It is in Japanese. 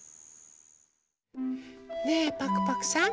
ねえパクパクさん。